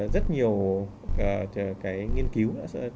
rất nhiều cái nghiên cứu